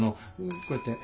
こうやって。